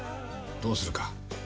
どうするか。